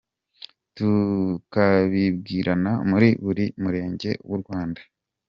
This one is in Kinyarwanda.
Tukabibwirana muri buri murenge w’u Rda.